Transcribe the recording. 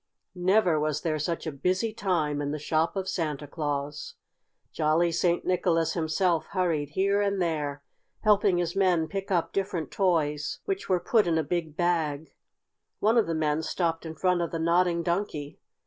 Never was there such a busy time in the shop of Santa Claus! Jolly St. Nicholas himself hurried here and there, helping his men pick up different toys which were put in a big bag. One of the men stopped in front of the Nodding Donkey.